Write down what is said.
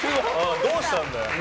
どうしたんだよ。